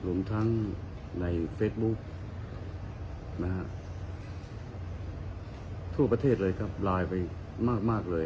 หลวงทั้งในเฟสบุ๊คนะฮะทั่วประเทศเลยครับลายไปมากมากเลย